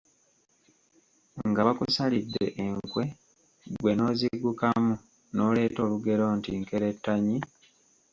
Nga bakusalidde enkwe ggwe n'oziggukamu, n'oleeta olugero nti: Nkerettanyi.